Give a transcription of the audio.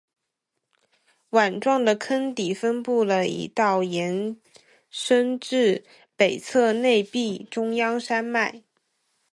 碗状的坑底分布了一道延伸至北侧内壁中央山脉。